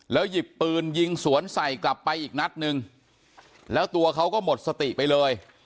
หยิบปืนยิงสวนใส่กลับไปอีกนัดนึงแล้วตัวเขาก็หมดสติไปเลย